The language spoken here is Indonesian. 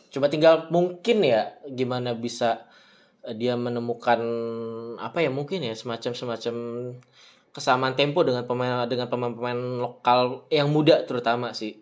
cuma tinggal mungkin ya gimana bisa dia menemukan semacam kesamaan tempo dengan pemain pemain lokal yang muda terutama sih